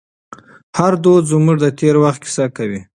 هر دود زموږ د تېر وخت کیسه کوي.